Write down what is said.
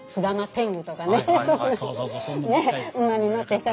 そうそう。